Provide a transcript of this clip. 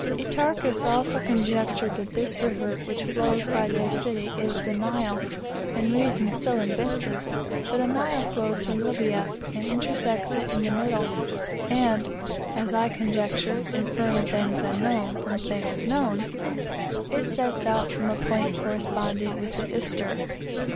Etearchus also conjectured that this river, which flows by their city, is the Nile; and reason so evinces: for the Nile flows from Libya, and intersects it in the middle; and (as I conjecture, inferring things unknown from things known) it sets out from a point corresponding with the Ister.